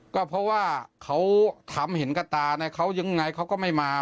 ก็เพราะว่าเขาทำเห็นกับตาไงเขายังไงเขาก็ไม่มา